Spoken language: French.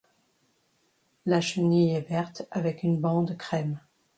La chenille est verte avec une bande crème.